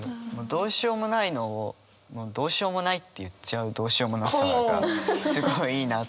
どうしようもないのをもうどうしようもないって言っちゃうどうしようもなさがすごいいいなと思いましたね。